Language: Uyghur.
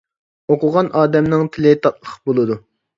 - «ئوقۇغان ئادەمنىڭ تىلى تاتلىق بولىدۇ» .